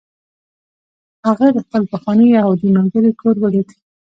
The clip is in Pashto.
هغه د خپل پخواني یهودي ملګري کور ولید